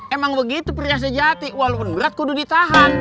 emang begitu pria sejati walaupun berat kudu ditahan